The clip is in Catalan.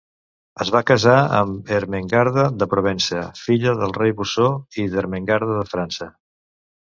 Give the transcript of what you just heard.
Es va casar amb Ermengarda de Provença, filla del rei Bosó i d'Ermengarda de França.